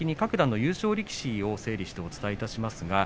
各段の優勝力士を整理してお伝えします。